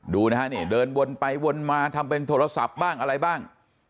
ดูนะฮะนี่เดินวนไปวนมาทำเป็นโทรศัพท์บ้างอะไรบ้าง